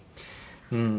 うん。